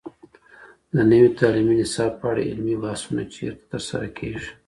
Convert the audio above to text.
د نوي تعلیمي نصاب په اړه علمي بحثونه چیرته ترسره کیږي؟